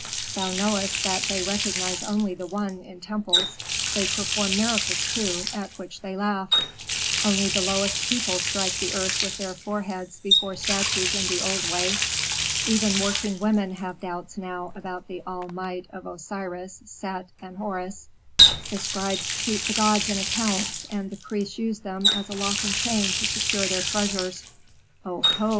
Thou knowest that they recognize only the One in temples. They perform miracles, too, at which they laugh. "Only the lowest people strike the earth with their foreheads before statues in the old way. Even working women have doubts now about the all might of Osiris, Set, and Horus; the scribes cheat the gods in accounts, and the priests use them as a lock and chain to secure their treasures." "Oho!"